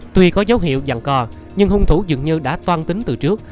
tuy có dấu hiệu dàn co nhưng hung thủ dường như đã toan tính từ trước